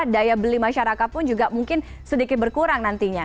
daya beli masyarakat pun juga mungkin sedikit berkurang nantinya